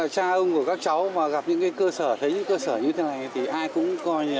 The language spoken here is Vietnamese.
sáng mùng sáu tháng hai